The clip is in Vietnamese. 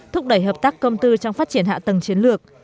thúc đẩy hợp tác công tư trong phát triển hạ tầng chiến lược